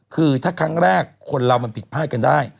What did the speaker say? คือถ้าครั้งแรกคนเรามันผิดพลาดกันได้